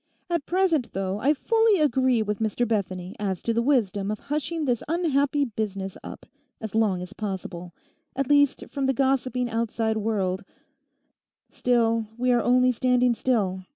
At present, though I fully agree with Mr Bethany as to the wisdom of hushing this unhappy business up as long as possible, at least from the gossiping outside world, still we are only standing still.